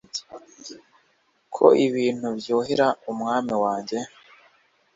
Ko ibintu byuhira Umwami wanjye